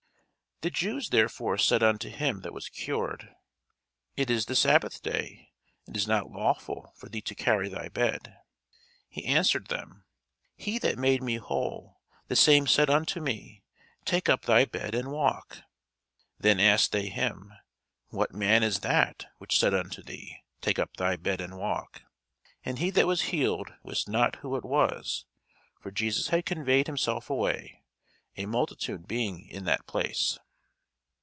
The Jews therefore said unto him that was cured, It is the sabbath day: it is not lawful for thee to carry thy bed. He answered them, He that made me whole, the same said unto me, Take up thy bed, and walk. Then asked they him, What man is that which said unto thee, Take up thy bed, and walk? And he that was healed wist not who it was: for Jesus had conveyed himself away, a multitude being in that place.